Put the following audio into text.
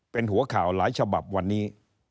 เป็นหัวข่าวหลายฉบับวันนี้